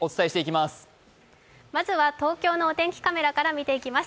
まずは東京のお天気カメラから見ていきます。